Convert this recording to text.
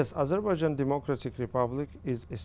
sau khi kết thúc cuộc chiến